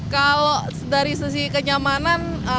kalau dari sisi kenyamanan